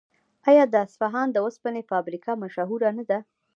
آیا د اصفهان د وسپنې فابریکه مشهوره نه ده؟